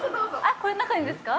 この中にですか？